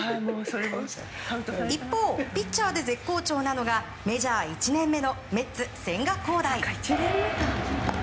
一方、ピッチャーで絶好調なのがメジャー１年目のメッツ、千賀滉大。